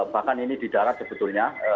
bahkan ini di darat sebetulnya